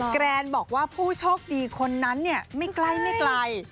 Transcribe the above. กแรนบอกว่าผู้โชคดีคนนั้นเนี่ยไม่ไกล